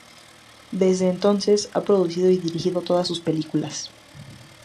Desde entonces ha producido y dirigido todas sus películas.